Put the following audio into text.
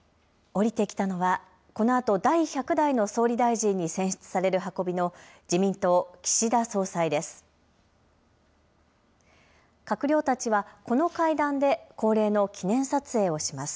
下りてきたのはこのあと、第１００代の総理大臣に選出される運びの自民党、岸田総裁です。